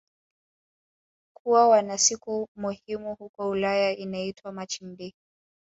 kuwa kunasiku muhimu huko Ulaya inaitwa marching day